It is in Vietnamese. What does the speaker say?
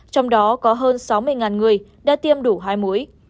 trong đó có hơn sáu mươi người đã tiêm đủ hai mũi